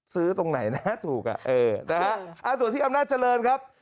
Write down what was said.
ซื้อตรงไหนนะถูกอ่ะส่วนที่อำนาจเจริญครับ